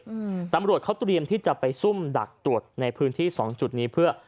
อืมตำรวจเขาเตรียมที่จะไปซุ่มดักตรวจในพื้นที่สองจุดนี้เพื่อ